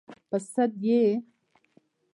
_ په سد يې؟